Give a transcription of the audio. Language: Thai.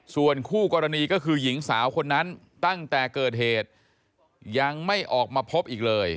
ส่วนคู่กรณีก็คือหญิงสาวคนนั้นตั้งแต่เกิดเหตุยังไม่ออกมาพบอีกเลย